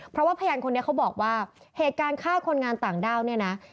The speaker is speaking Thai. เพราะว่าพยานคนนี้เขาบอกว่าเหตุการณ์ฆ่าคนงานต่างด้าวเนี่ยนะ